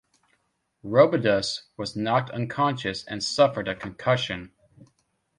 Robidas was knocked unconscious and suffered a concussion.